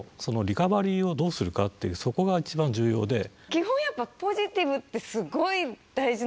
基本やっぱポジティブってすごい大事なんですね。